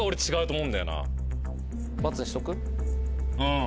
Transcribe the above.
うん。